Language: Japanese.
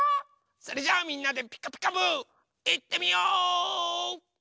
それじゃあみんなで「ピカピカブ！」いってみよう！